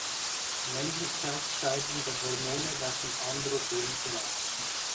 Männlichkeitssteigernde Hormone werden Androgene genannt.